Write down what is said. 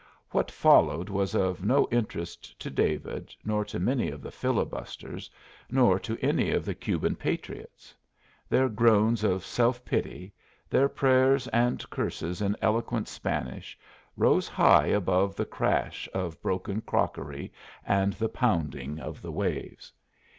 What followed was of no interest to David, nor to many of the filibusters, nor to any of the Cuban patriots. Their groans of self pity, their prayers and curses in eloquent Spanish, rose high above the crash of broken crockery and the pounding of the waves.